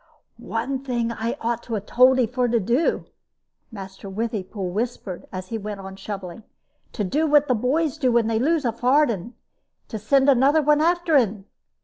"One thing I ought to have told 'e for to do," Master Withypool whispered, as he went on shoveling "to do what the boys do when they lose a farden to send another after un.